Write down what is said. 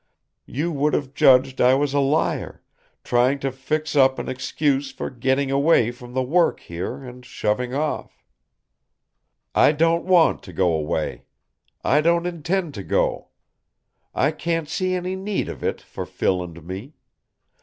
You would have judged I was a liar, trying to fix up an excuse for getting away from the work here and shoving off. I don't want to go away. I don't intend to go. I can't see any need of it for Phil and me.